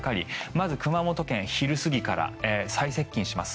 まず熊本県昼過ぎから最接近します。